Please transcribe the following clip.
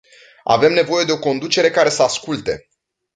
Avem nevoie de o conducere care să asculte.